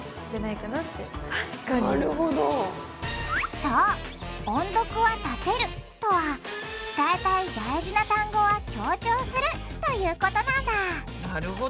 そう「音読はたてる」とは伝えたい大事な単語は強調するということなんだなるほど！